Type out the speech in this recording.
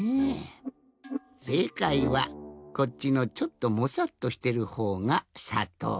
せいかいはこっちのちょっともさっとしてるほうがさとう。